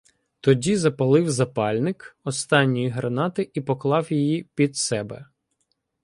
Тоді запалив запальник останньої гранати і поклав її під себе.